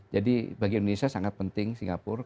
jadi bagi indonesia sangat penting singapura